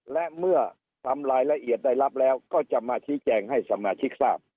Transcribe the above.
และเมื่อทำรายละเอียดได้รับแล้วก็จะมาชี้แจงให้สมาชิกทราบ